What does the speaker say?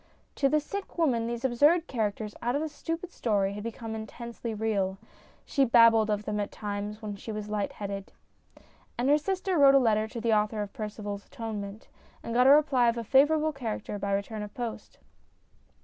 To the sick woman these absurd characters out of a stupid story had become intensely real. She babbled of them at times when she was light headed. And her sister wrote a letter to the author of Percival 's Atonement, and got a reply of a favourable character by return of post.